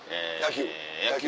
野球？